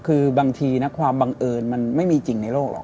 คือบางทีนะความบังเอิญมันไม่มีจริงในโลกหรอก